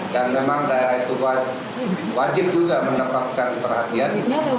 dan memang daerah itu wajib juga mendapatkan perhatian